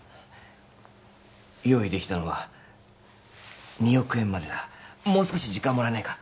用意できたのは２億円までだもう少し時間もらえないか？